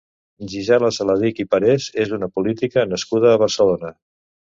Gisela Saladich i Parés és una política nascuda a Barcelona.